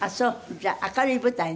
じゃあ明るい舞台ね。